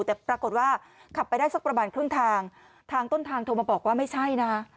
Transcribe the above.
แต่ปรากฏว่าขับไปได้สักประมาณครึ่งทางทางต้นทางโทรมาบอกว่าไม่ใช่นะ